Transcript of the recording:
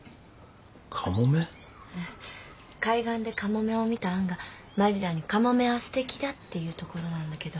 海岸でカモメを見たアンがマリラにカモメはすてきだって言うところなんだけど。